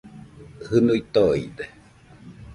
Jɨnui toide